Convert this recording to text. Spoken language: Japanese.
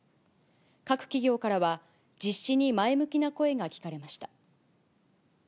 各企業からは、実施に前向きな声が聞かれました。